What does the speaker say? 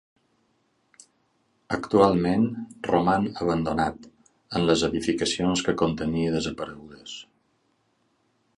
Actualment roman abandonat, amb les edificacions que contenia desaparegudes.